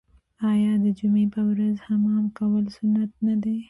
آیا د جمعې په ورځ حمام کول سنت نه دي؟